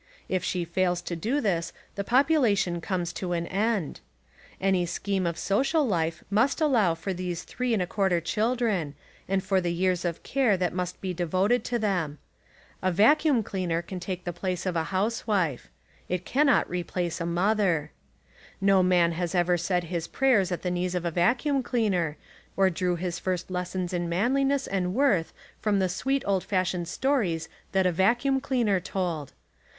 If she fails to do this the population comes to an end. Any scheme of social life must allow for these three and a quarter children and for the years of care that must be devoted to them. The vacuum cleaner can take the place 154 The Woman Question of the housewife. It cannot replace the mother. No man ever said his prayers at the knees of a vacuum cleaner, or drew his first lessons In manliness and worth from the sweet old fash ioned stories that a vacuum cleaner told.